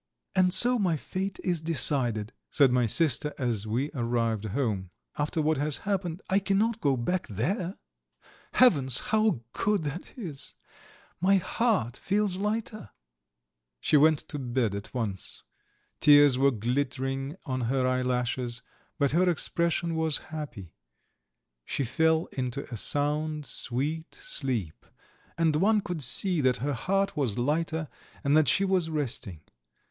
"And so my fate is decided," said my sister, as we arrived home. "After what has happened I cannot go back there. Heavens, how good that is! My heart feels lighter." She went to bed at once. Tears were glittering on her eyelashes, but her expression was happy; she fell into a sound sweet sleep, and one could see that her heart was lighter and that she was resting.